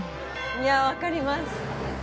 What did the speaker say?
いやわかります。